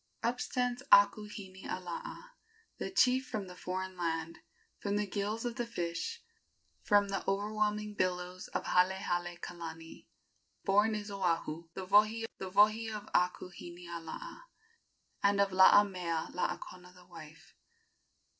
Up stands Akuhinialaa, The chief from the foreign land; From the gills of the fish From the overwhelming billows of Halehale kalani, Born is Oahu, the wohi, The wohi of Akuhinialaa, And of Laamealaakona the wife."